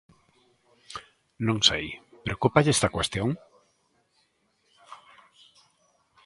Non sei, ¿preocúpalle esta cuestión?